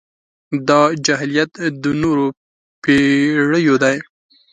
دا جاهلیت د نورو پېړيو دی.